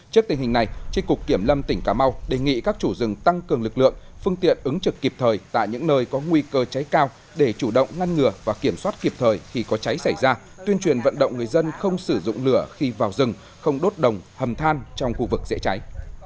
trước tình hình này tri cục kiểm lâm tỉnh cà mau đề nghị các chủ rừng tăng cường lực lượng phương tiện ứng trực kịp thời tại những nơi có nguy cơ cháy cao để chủ động ngăn ngừa và kiểm soát kịp thời khi có cháy xảy ra tuyên truyền vận động người dân không sử dụng lửa khi vào rừng không đốt đồng hầm than trong khu vực dễ cháy